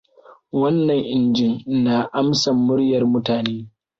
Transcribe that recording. Wannan injin na amsa muryar mutane.